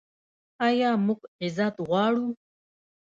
آیا موږ عزت غواړو؟